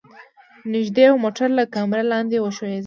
نږدې و موټر له کمره لاندې وښویيږي.